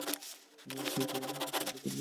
আমি আপনাকে অমর হতে সাহায্য করব!